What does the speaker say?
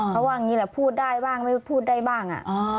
เขาว่าอย่างนี้แหละพูดได้บ้างไม่พูดได้บ้าง